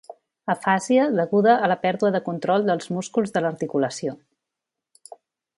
Afàsia deguda a la pèrdua de control dels músculs de l'articulació.